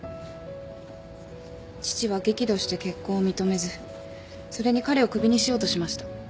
父は激怒して結婚を認めずそれに彼を首にしようとしました。